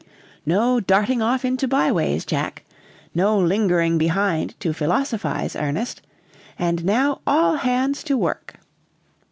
No darting off into by ways, Jack. No lingering behind to philosophize, Ernest. And now all hands to work."